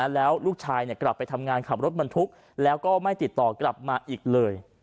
แล้วลูกชายกลับไปทำงานขับรถบรรทุกแล้วก็ไม่ติดต่อกลับมาอีกเลย